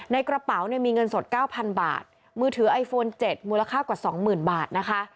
ในกระเป๋าเนี่ยมีเงินสด๙๐๐บาทมือถือไอโฟน๗มูลค่ากว่าสองหมื่นบาทนะคะ